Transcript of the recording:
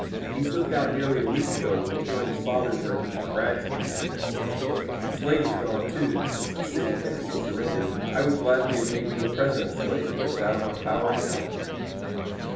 "He slipped out nearly a week ago, and will join his father's regiment in Bragg's command. That scoundrel, Slade, is gone too. Since the city had to be surrendered I would gladly have made you a present of Slade, but it's out of my power now."